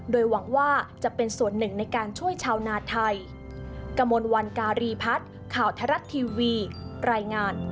โดยหวังว่าจะเป็นส่วนหนึ่งในการช่วยชาวนาไทย